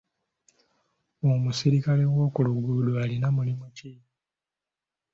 Omusirikale w'okuluguudo alina mulimu ki?